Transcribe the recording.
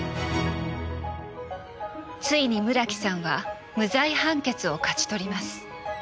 ついに村木さんは無罪判決を勝ち取ります。